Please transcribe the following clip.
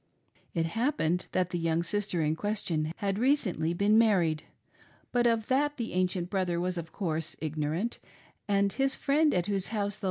It hap pened that , the young sister in question had recently been married, but of that the ancient brother was of course ig norant, and his friend at whose house the